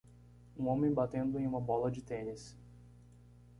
Um homem batendo em uma bola de tênis.